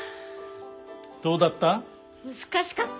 どうだった？